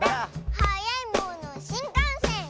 「はやいものしんかんせん！」